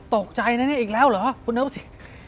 ตกใจอีกแล้วหรอคุณเอ้าสิ